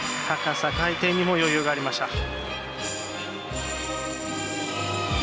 高さ、回転にも余裕がありました。